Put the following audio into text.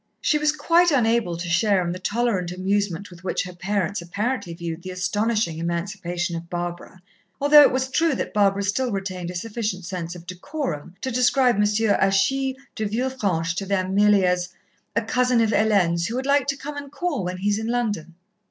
She was quite unable to share in the tolerant amusement with which her parents apparently viewed the astonishing emancipation of Barbara, although it was true that Barbara still retained a sufficient sense of decorum to describe M. Achille de Villefranche to them merely as "a cousin of Hélène's, who would like to come and call when he is in London."